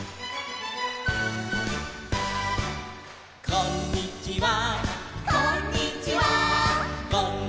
「こんにちは」「」